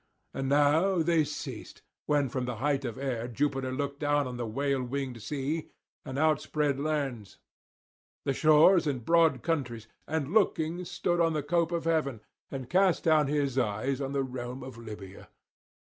[223 254]And now they ceased; when from the height of air Jupiter looked down on the sail winged sea and outspread lands, the shores and broad countries, and looking stood on the cope of heaven, and cast down his eyes on the realm of Libya.